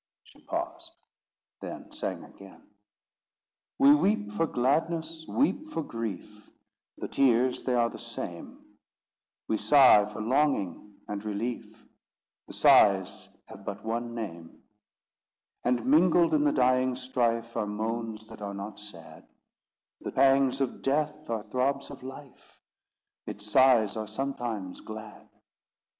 She paused; then sang again: We weep for gladness, weep for grief; The tears they are the same; We sigh for longing, and relief; The sighs have but one name, And mingled in the dying strife, Are moans that are not sad The pangs of death are throbs of life, Its sighs are sometimes glad.